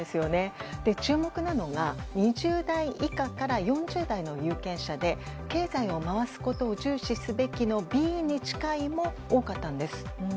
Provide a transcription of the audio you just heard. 注目なのが２０代以下から４０代の有権者で経済を回すことを重視すべきのＢに近いも多かったんです。